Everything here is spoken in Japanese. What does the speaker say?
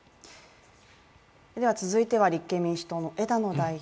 続いては立憲民主党の枝野代表。